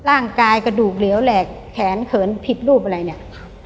กระดูกเหลวแหลกแขนเขินผิดรูปอะไรเนี่ยครับ